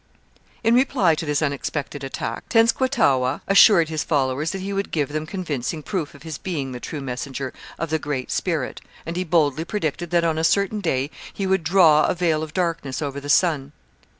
In reply to this unexpected attack Tenskwatawa assured his followers that he would give them convincing proof of his being the true messenger of the Great Spirit, and he boldly predicted that on a certain day he would draw a veil of darkness over the sun.